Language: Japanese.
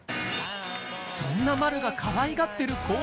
そんな丸がかわいがってる後